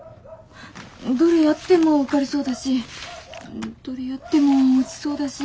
どれやっても受かりそうだしどれやっても落ちそうだし。